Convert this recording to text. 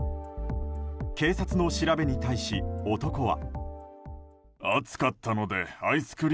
警察の調べに対し男は。